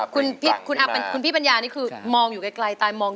คุณปิชมานเป็นนักร้องเป็นนักแสดง